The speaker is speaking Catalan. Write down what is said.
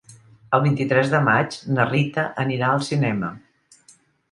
El vint-i-tres de maig na Rita anirà al cinema.